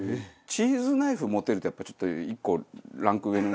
チーズナイフを持てるってちょっと１個ランク上の人間。